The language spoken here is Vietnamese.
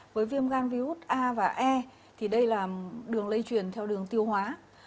với viêm gan virus a và e thì đây là đường lây truyền theo đường tiêu hóa